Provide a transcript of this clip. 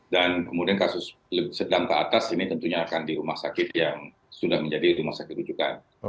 kemudian kasus sedang ke atas ini tentunya akan di rumah sakit yang sudah menjadi rumah sakit rujukan